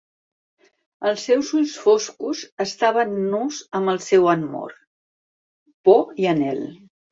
Els seus ulls foscos estaven nus amb el seu amor, por i anhel.